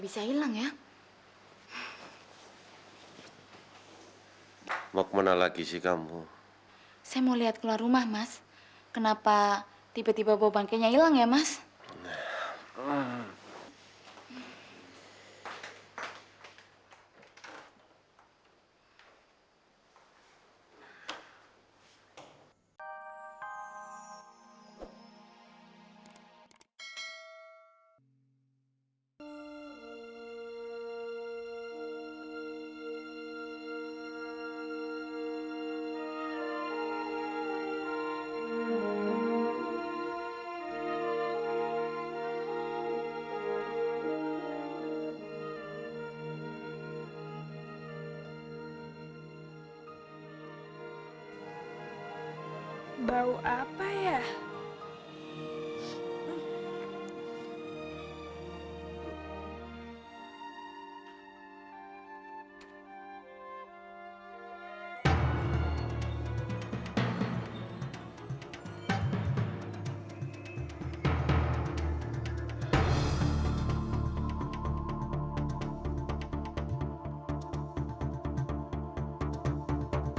sampai jumpa di video selanjutnya